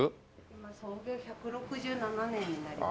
今創業１６７年になります。